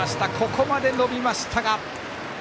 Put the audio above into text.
ここまで伸びましたが。